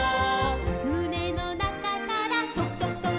「むねのなかからとくとくとく」